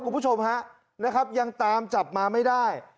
คุณผู้ชมฮะยังตามจับมาไม่ได้